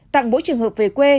tặng bỗi trường hợp về quê